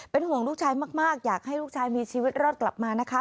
ห่วงลูกชายมากอยากให้ลูกชายมีชีวิตรอดกลับมานะคะ